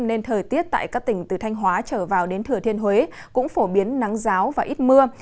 nên thời tiết tại các tỉnh từ thanh hóa trở vào đến thừa thiên huế cũng phổ biến nắng giáo và ít mưa